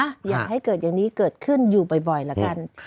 อยากให้เกิดอย่างนี้เกิดขึ้นอยู่บ่อยละกัน